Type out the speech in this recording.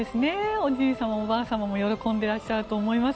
おじい様もおばあ様も喜んでいらっしゃると思います。